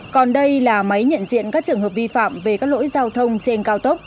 còn đây là máy nhận diện các trường hợp vi phạm về các lỗi giao thông trên cao tốc